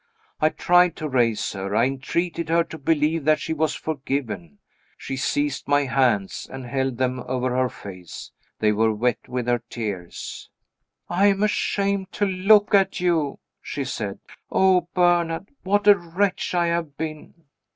I tried to raise her; I entreated her to believe that she was forgiven. She seized my hands, and held them over her face they were wet with her tears. "I am ashamed to look at you," she said. "Oh, Bernard, what a wretch I have been!"